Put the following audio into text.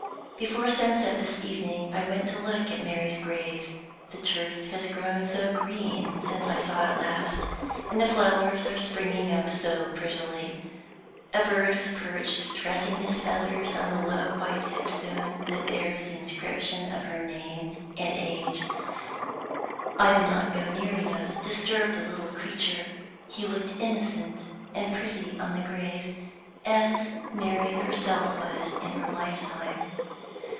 Before sunset this evening I went to look at Mary's grave. The turf has grown so green since I saw it last, and the flowers are springing up so prettily. A bird was perched dressing his feathers on the low white headstone that bears the inscription of her name and age. I did not go near enough to disturb the little creature. He looked innocent and pretty on the grave, as Mary herself was in her lifetime.